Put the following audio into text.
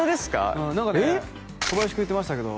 うん何かね小林君言ってましたけど